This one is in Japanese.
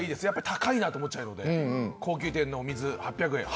高いなと思っちゃうので高級店のお水、８００円。